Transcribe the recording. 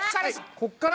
こっから。